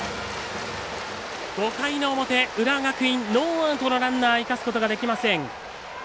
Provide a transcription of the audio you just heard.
５回の表、浦和学院ノーアウトのランナー生かすことができません。